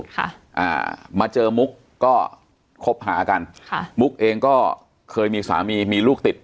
ค่ะอ่ามาเจอมุกก็คบหากันค่ะมุกเองก็เคยมีสามีมีลูกติด